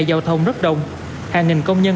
giao thông rất đông hàng nghìn công nhân